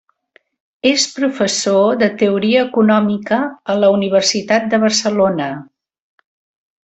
És professor de teoria econòmica a la Universitat de Barcelona.